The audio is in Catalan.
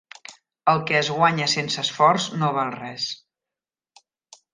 El que es guanya sense esforç no val res.